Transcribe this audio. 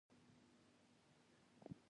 چاودنه په بازار کې وشوه.